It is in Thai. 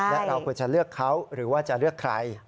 และเราควรจะเลือกเขาหรือว่าจะเลือกใคร